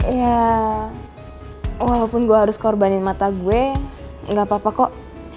ya walaupun gue harus korbanin mata gue gak apa apa kok